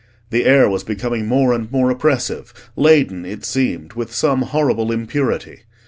The air was becoming more and more oppressive, laden, it seemed, with some horrible impurity.